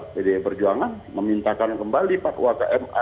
pdi perjuangan memintakan kembali pak waka ma